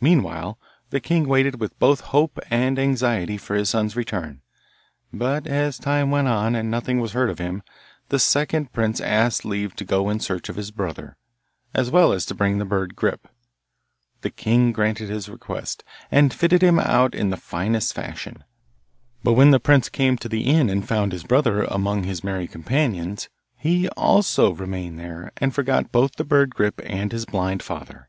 Meanwhile the king waited with both hope and anxiety for his son's return, but as time went on and nothing was heard of him, the second prince asked leave to go in search of his brother, as well as to bring the bird Grip. The king granted his request, and fitted him out in the finest fashion. But when the prince came to the inn and found his brother among his merry companions, he also remained there and forgot both the bird Grip and his blind father.